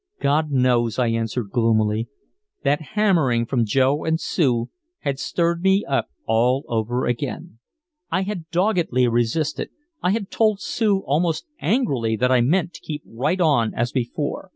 "God knows," I answered gloomily. That hammering from Joe and Sue had stirred me up all over again. I had doggedly resisted, I had told Sue almost angrily that I meant to keep right on as before.